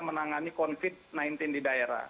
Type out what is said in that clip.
menangani covid sembilan belas di daerah